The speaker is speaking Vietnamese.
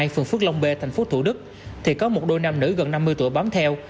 phường phước long b tp thủ đức thì có một đôi nam nữ gần năm mươi tuổi bám theo